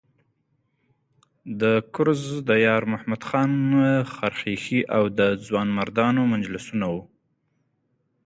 د کرز د یارمحمد خان خرخښې او د ځوانمردانو مجلسونه وو.